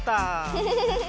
フフフフフ！